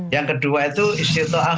yang kedua itu isti to'ah